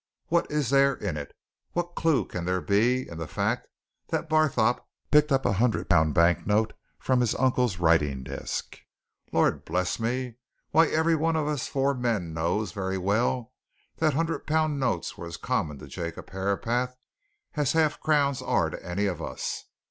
What is there in it? What clue can there be in the fact that Barthorpe picked up a hundred pound bank note from his uncle's writing desk? Lord bless me! why, every one of us four men knows very well that hundred pound notes were as common to Jacob Herapath as half crowns are to any of us!